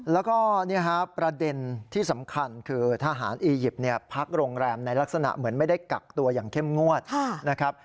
แล้วก็ประเด็นที่สำคัญคือทหารอียิปต์พักโรงแรมในลักษณะเหมือนไม่ได้กักตัวอย่างเข้มงวดนะครับ